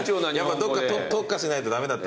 どっか特化しないと駄目だった？